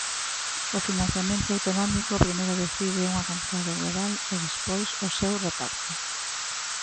O financiamento autonómico primeiro decide unha cantidade global e despois o seu reparto.